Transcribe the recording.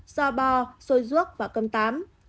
giò bò xôi ruốc và cơm tám